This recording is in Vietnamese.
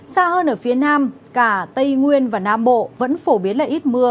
xa hơn ở phía nam cả tây nguyên và nam bộ vẫn phổ biến là ít mưa